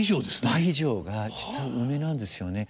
倍以上が実は梅なんですよね。